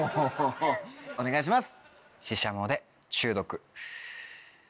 お願いします！